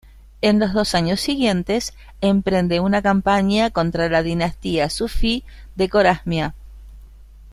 En los dos años siguientes, emprende una campaña contra la dinastía Sufí de Corasmia.